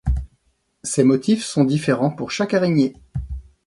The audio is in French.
Ces motifs sont différents pour chaque araignée.